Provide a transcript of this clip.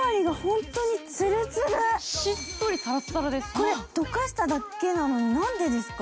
これとかしただけなのに、何でですか？